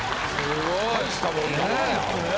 大したもんだなぁ。